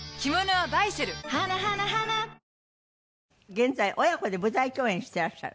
現在親子で舞台共演してらっしゃる？